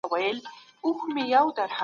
لکه اور وه